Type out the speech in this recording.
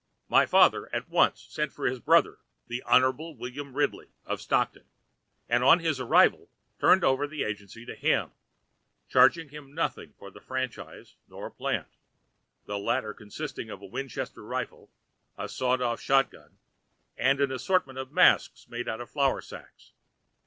My father at once sent for his brother, the Hon. William Ridley of Stockton, and on his arrival turned over the agency to him, charging him nothing for the franchise nor plant—the latter consisting of a Winchester rifle, a sawed off shotgun, and an assortment of masks made out of flour sacks.